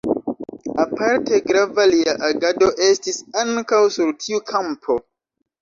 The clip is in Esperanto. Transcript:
Aparte grava lia agado estis ankaŭ sur tiu kampo.